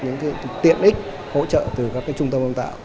những tiện ích hỗ trợ từ các trung tâm ương tạo